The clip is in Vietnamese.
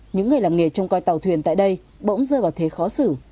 những người làm nghề trông coi tàu thuyền tại đây bỗng rơi vào thế khó xử